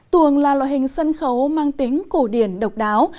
tuồng là loại hình sân khấu mang tính cổ điển độc đáo